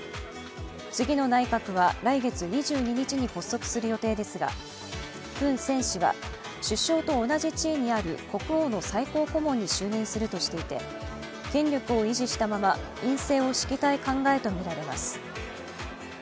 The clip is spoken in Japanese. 次の内閣は来月２２日に発足する予定ですが、フン・セン氏は首相と同じ地位にある国王の最高顧問に就任するとしていて権力を維持したまま院政を敷きたい考えとみられます。